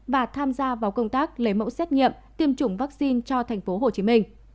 và công tác lấy mẫu xét nghiệm tiêm chủng vaccine cho tp hcm